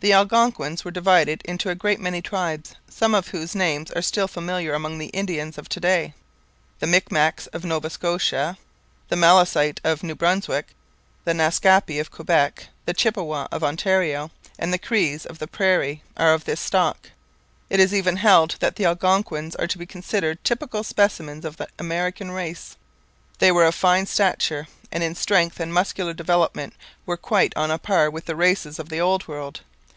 The Algonquins were divided into a great many tribes, some of whose names are still familiar among the Indians of to day. The Micmacs of Nova Scotia, the Malecite of New Brunswick, the Naskapi of Quebec, the Chippewa of Ontario, and the Crees of the prairie, are of this stock. It is even held that the Algonquins are to be considered typical specimens of the American race. They were of fine stature, and in strength and muscular development were quite on a par with the races of the Old World.